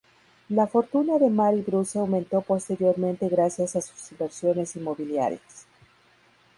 La fortuna de Mary Bruce aumentó posteriormente gracias a sus inversiones inmobiliarias.